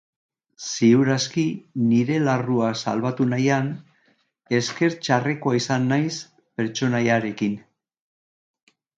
Ziur aski, nire larrua salbatu nahian, esker txarrekoa izan naiz pertsonaiarekin.